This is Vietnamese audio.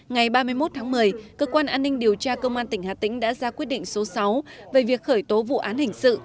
ngày ba mươi một tháng một mươi cơ quan an ninh điều tra công an tỉnh hà tĩnh đã ra quyết định số sáu về việc khởi tố vụ án hình sự